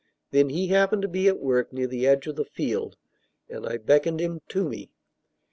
Then he happened to be at work near the edge of the field, and I beckoned him to me.